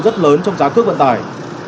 rất lớn trong giá cước vận tải